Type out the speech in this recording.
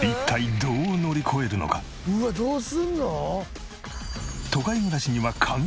うわっどうすんの？